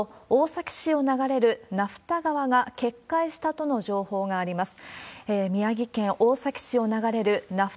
宮城県大崎市を流れる名蓋川が決壊したとの情報があります。